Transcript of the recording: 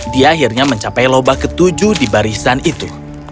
dia menarik lobak ketujuh di barisan itu